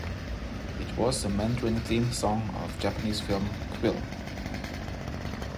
It was the Mandarin theme song of Japanese film, "Quill".